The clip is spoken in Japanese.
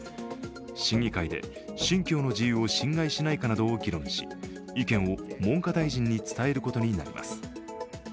審議会で信教の自由を侵害しないかなどを議論し、意見を文科大臣に伝えることになります。